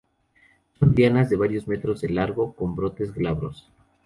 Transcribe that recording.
Son lianas de varios metros de largo; con brotes glabros.